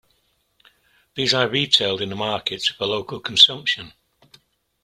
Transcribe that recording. These are retailed in the market for local consumption.